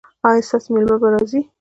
ایا ستاسو میلمه به راځي؟